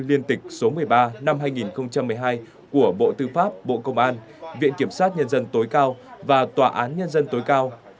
liên tịch số một mươi ba năm hai nghìn một mươi hai của bộ tư pháp bộ công an viện kiểm sát nhân dân tối cao và tòa án nhân dân tối cao